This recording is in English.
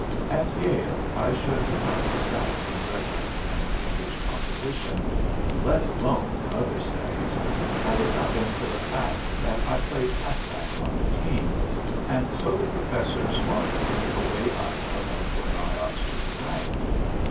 At Yale I should have got the sack in rhetoric and English composition, let alone other studies, had it not been for the fact that I played half back on the team, and so the professors marked me away up above where I ought to have ranked.